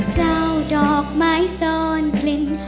เจ้าดอกไม้ซ่อนเธอไว้ในใจ